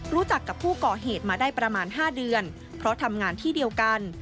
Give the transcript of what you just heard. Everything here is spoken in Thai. รู้จักกับผู้ก่อเหตุมาได้ประมาณ๕เดือนเพราะทำงานที่เดียวกัน